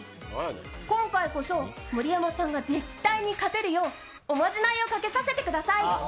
今回こそ盛山さんが絶対に勝てるよう、おまじないをかけさせてください。